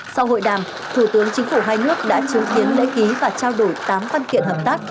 sau hội đàm thủ tướng chính phủ hai nước đã chứng kiến lễ ký và trao đổi tám văn kiện hợp tác